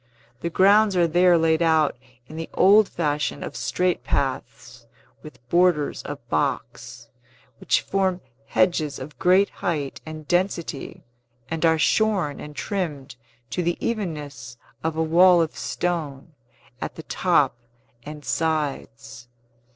The grounds are there laid out in the old fashion of straight paths, with borders of box, which form hedges of great height and density, and are shorn and trimmed to the evenness of a wall of stone, at the top and sides.